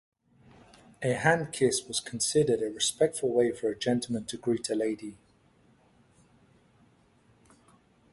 A hand-kiss was considered a respectful way for gentleman to greet a lady.